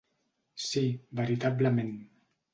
Sí, veritablement.